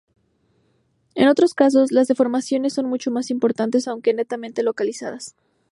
En otros casos, las deformaciones son mucho más importantes, aunque netamente localizadas.